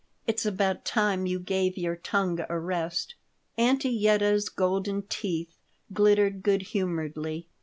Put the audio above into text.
" "It's about time you gave your tongue a rest." Auntie Yetta's golden teeth glittered good humoredly.